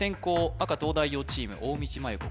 赤東大王チーム大道麻優子